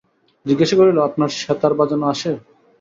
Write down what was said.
জিজ্ঞাসা করিল, আপনার সেতার বাজানো আসে?